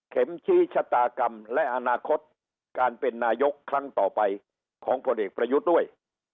ชี้ชะตากรรมและอนาคตการเป็นนายกครั้งต่อไปของพลเอกประยุทธ์ด้วย